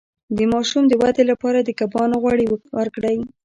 د ماشوم د ودې لپاره د کبانو غوړي ورکړئ